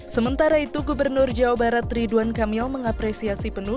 sementara itu gubernur jawa barat ridwan kamil mengapresiasi penuh